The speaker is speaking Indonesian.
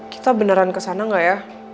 kita beneran kesana nggak ya